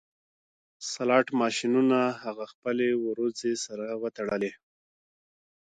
سلاټ ماشینونه هغه خپلې وروځې سره وتړلې